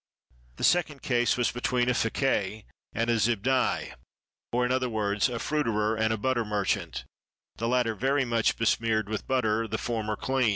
The second case was between a.fekai and a zibdai, or, in other words, a fruiterer and a butter merchant — the latter very much besmeared with butter; the former clean.